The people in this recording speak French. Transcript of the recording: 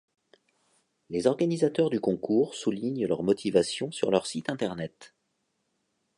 Les organisateurs du concours soulignent leurs motivations sur leur site internet.